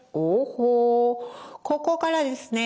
ここからですね